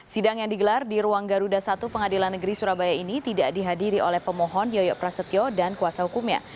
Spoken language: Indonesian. sidang yang digelar di ruang garuda satu pengadilan negeri surabaya ini tidak dihadiri oleh pemohon yoyo prasetyo dan kuasa hukumnya